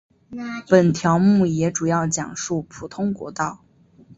本条目也主要讲述普通国道。